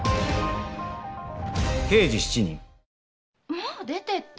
もう出てった？